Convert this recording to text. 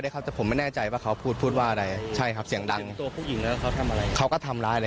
ก็ต้องรอบรถคันที่จ่ออยู่อะครับ